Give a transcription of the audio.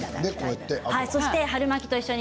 そして春巻きと一緒に。